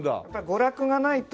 娯楽がないと。